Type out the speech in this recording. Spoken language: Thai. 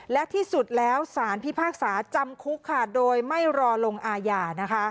และที่สุดแล้วสารพิพากษาจำคุกค่ะโดยไม่รอลงอาญานะคะ